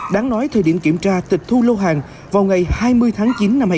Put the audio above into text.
đáng nói thời điểm kiểm tra tịch thu lâu hàng vào ngày hai mươi tháng chín năm hai nghìn hai mươi